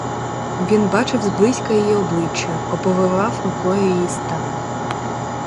Він бачив зблизька її обличчя, оповивав рукою її стан.